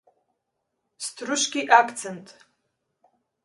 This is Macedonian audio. Struski akcent